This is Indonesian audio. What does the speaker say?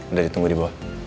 udah ditunggu di bawah